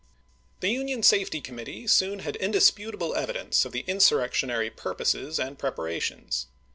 The Union Safety Committee soon had indispu table evidence of the insurrectionary purposes and preparations.